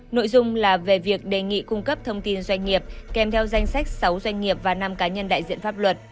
nội dung là về việc đề nghị cung cấp thông tin doanh nghiệp kèm theo danh sách sáu doanh nghiệp và năm cá nhân đại diện pháp luật